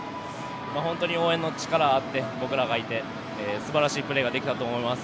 本当に応援の力あって僕らがいて素晴らしいプレーができたと思います。